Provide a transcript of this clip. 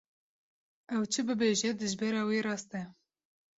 Ew çi bibêje, dijbera wê rast e.